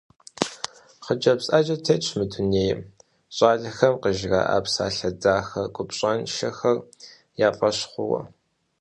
Хъыджэбз Ӏэджэ тетщ мы дунейм, щӏалэхэм къыжыраӀэ псалъэ дахэ купщӀэншэхэр я фӀэщ хъууэ.